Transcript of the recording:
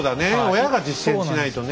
親が実践しないとね。